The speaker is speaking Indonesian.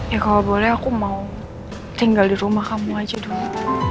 ya kalau boleh aku mau tinggal di rumah kamu aja dulu